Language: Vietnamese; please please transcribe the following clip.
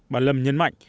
bà lâm nhấn mạnh